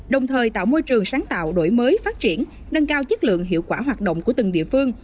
đồng thời tạo môi trường sáng tạo đổi mới phát triển nâng cao chất lượng hiệu quả hoạt động của từng địa phương